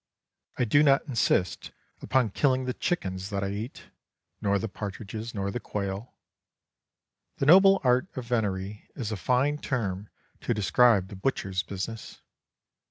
I do not insist upon killing the chickens that I eat, nor the partridges, nor the quail. The noble art of Venery is a fine term to describe the butcher's business.